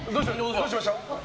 どうしました？